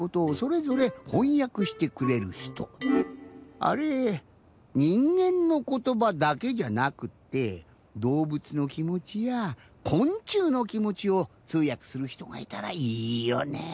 あれにんげんのことばだけじゃなくってどうぶつのきもちやこんちゅうのきもちをつうやくするひとがいたらいいよね。